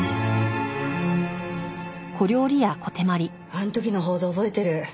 あの時の報道覚えてる。